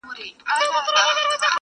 جهاني چي ما یې لار په سترګو فرش کړه،